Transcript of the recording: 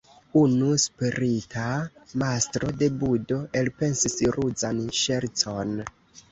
Unu sprita mastro de budo elpensis ruzan ŝercon.